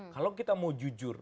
kalau kita mau jujur